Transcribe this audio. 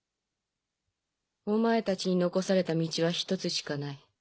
お前たちに残された道は１つしかない。